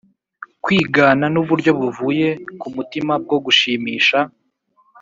kwigana nuburyo buvuye ku mutima bwo gushimisha